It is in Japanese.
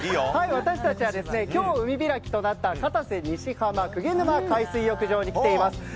私たちは今日海開きとなった片瀬西浜・鵠沼海水浴場に来ています。